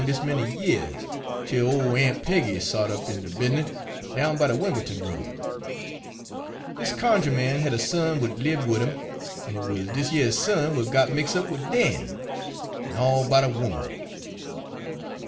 dese many yeahs, 'tel ole Aun' Peggy sot up in de bizness down by de Wim'l'ton Road. Dis cunjuh man had a son w'at libbed wid 'im, en it wuz dis yer son w'at got mix' up wid Dan, en all 'bout a 'oman.